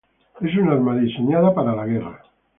Es un arma diseñada para la guerra.